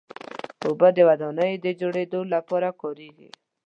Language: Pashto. اوبه د ودانیو د جوړېدو لپاره کارېږي.